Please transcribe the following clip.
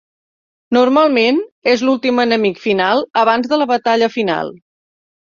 Normalment és l'últim enemic final abans de la batalla final.